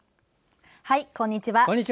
はい、こんにちは。